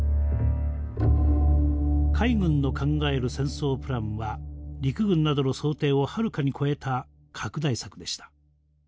海軍の考える戦争プランは陸軍などの想定をはるかに超えた拡大策でした。